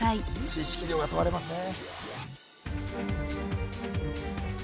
知識量が問われますね